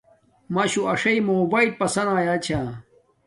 ماشو اݽی موباݵل پسند ایا چھا